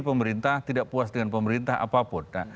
pemerintah tidak puas dengan pemerintah apapun